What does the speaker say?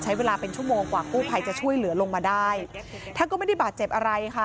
ใช้เวลาเป็นชั่วโมงกว่ากู้ภัยจะช่วยเหลือลงมาได้ท่านก็ไม่ได้บาดเจ็บอะไรค่ะ